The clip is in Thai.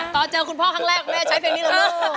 ตอนเจอคุณพ่อครั้งแรกแม่ใช้เพลงนี้เลยลูก